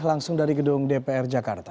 langsung dari gedung dpr jakarta